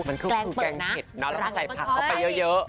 อันนี้คือแกงเปิดนะใส่พักลงไปเยอะ